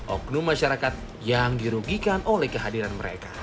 oknum masyarakat yang dirugikan oleh kehadiran mereka